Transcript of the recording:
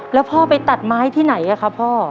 แล้วพ่อไปตัดไม้ที่ไหนอะครับพ่อ